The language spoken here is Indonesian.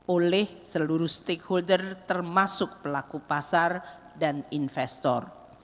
oleh seluruh stakeholder termasuk pelaku pasar dan investor